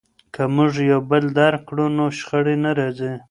که موږ یو بل درک کړو نو شخړې نه راځي.